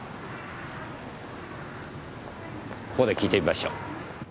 ここで聞いてみましょう。